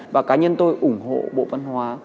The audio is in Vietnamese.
và cá nhân tôi ủng hộ bộ văn hóa